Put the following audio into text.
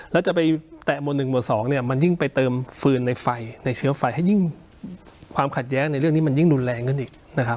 แล้วจะไปแตะหมวด๑หมวด๒เนี่ยมันยิ่งไปเติมฟืนในไฟในเชื้อไฟให้ยิ่งความขัดแย้งในเรื่องนี้มันยิ่งรุนแรงขึ้นอีกนะครับ